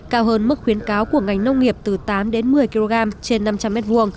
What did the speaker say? cao hơn mức khuyến cáo của ngành nông nghiệp từ tám đến một mươi kg trên năm trăm linh m hai